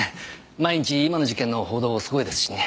毎日今の事件の報道すごいですしね。